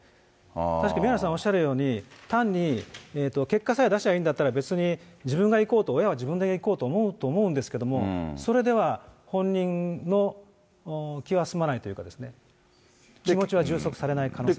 確かに宮根さんおっしゃるように、単に結果さえ出しゃいいんだったら、別に自分が行こうと親が自分で行こうと思うんですけれども、それでは、本人の気は済まないというかですね、気持ちは充足されない可能性がある。